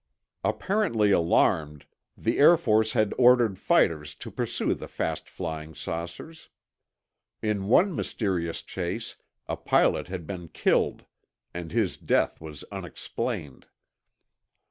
Apparently alarmed, the Air Force had ordered fighters to pursue the fast flying saucers. In one mysterious chase, a pilot had been killed, and his death was unexplained.